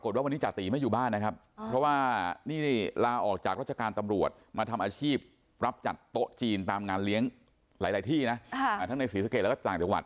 ทั้งในศรีสะเกษแล้วก็ส่างจังหวัด